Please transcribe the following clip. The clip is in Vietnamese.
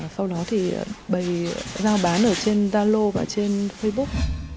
sau đó thì bày giao bán ở trên zalo và trên facebook